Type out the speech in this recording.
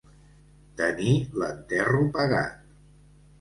Tenir l'enterro pagat.